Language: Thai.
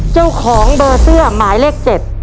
เจ้าของเบอร์เสื้อหมายเลข๗